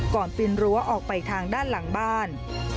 ปีนรั้วออกไปทางด้านหลังบ้าน